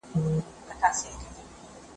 علمي سیمینار بې دلیله نه تړل کیږي.